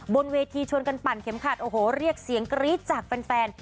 บนเวทีชวนกันปั่นเข็มขัดโอ้โหเรียกเสียงกรี๊ดจากแฟน